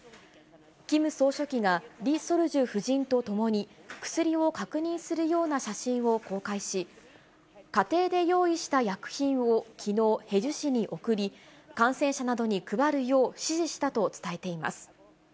キム総書記がリ・ソルジュ夫人と共に、薬を確認するような写真を公開し、家庭で用意した薬品をきのう、ヘジュ市に送り、感染者などに配るよう指示したと伝えています。